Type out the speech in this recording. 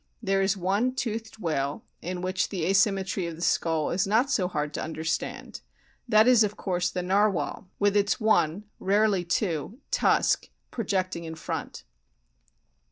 There is one toothed whale in which the asymmetry of the skull is not so hard to understand, that is, of course, the Narwhal with its one rarely two "tusk" projecting in front.